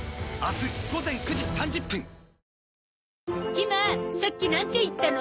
ひまさっきなんて言ったの？